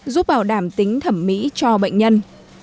giúp bảo đảm tính thẩm mỹ cho bệnh nhân